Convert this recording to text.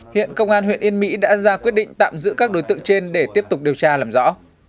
hiện công an huyện yên mỹ đã ra quyết định tạm giữ các đối tượng trên để tiếp tục điều tra làm rõ